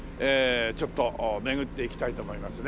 ちょっと巡っていきたいと思いますね。